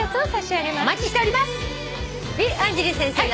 お待ちしております。